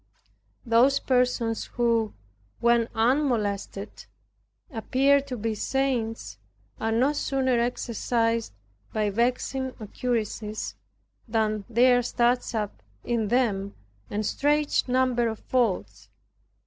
Those persons who, when unmolested, appear to be saints are no sooner exercised by vexing occurrences than there starts up in them a strange number of faults.